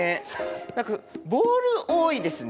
何かボール多いですね。